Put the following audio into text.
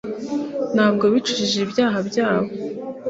nta bwo bicujije ibyaha byabo